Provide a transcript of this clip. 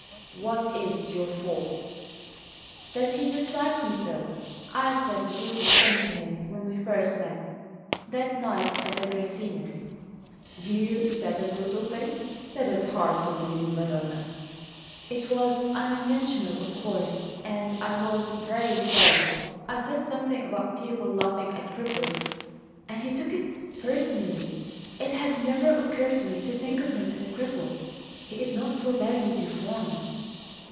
"What is your fault?" "That he dislikes me so. I said a brutal thing to him when we first met, that night at the Grassinis'." "YOU said a brutal thing? That's hard to believe, Madonna." "It was unintentional, of course, and I was very sorry. I said something about people laughing at cripples, and he took it personally. It had never occurred to me to think of him as a cripple; he is not so badly deformed."